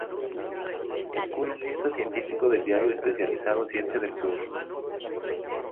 Es columnista científico del diario especializado Ciencia del Sur.